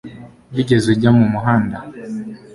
Wigeze ujya mu mahanga?